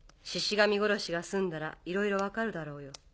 神殺しが済んだらいろいろ分かるだろうよ。